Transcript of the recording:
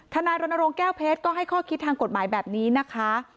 นายรณรงค์แก้วเพชรก็ให้ข้อคิดทางกฎหมายแบบนี้นะคะ